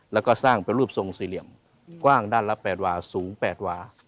แล้วก็สร้างเป็นรูปทรงสี่เหลี่ยมกว้างด้านละ๘วาสูง๘วา